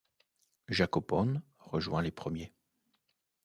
Jacopone rejoint les premiers.